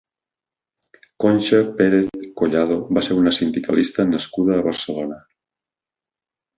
Conxa Pérez Collado va ser una sindicalista nascuda a Barcelona.